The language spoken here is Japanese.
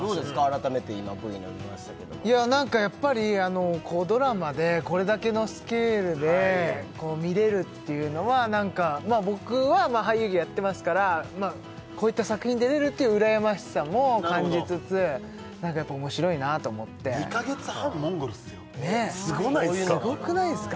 改めて今Ｖの見ましたけどもいや何かやっぱりドラマでこれだけのスケールでこう見れるっていうのは何か僕は俳優業やってますからこういった作品に出れるっていう羨ましさも感じつつ何かやっぱ面白いなと思って２か月半モンゴルっすよねえすごないすか？